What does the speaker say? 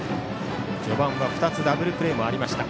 序盤は２つダブルプレーがありました。